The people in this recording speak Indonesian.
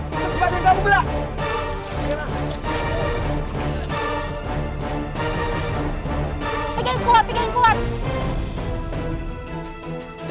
tenang sayangnya pegang pegang kuat ya pegangkan itu